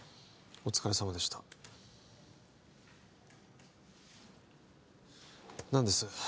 お疲れさまでした何です？